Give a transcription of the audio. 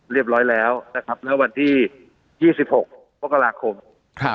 เรียบร้อยแล้วนะครับเมื่อวันที่ยี่สิบหกมกราคมครับ